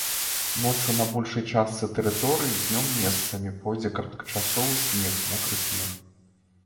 Ноччу на большай частцы тэрыторыі, днём месцамі пройдзе кароткачасовы снег, мокры снег.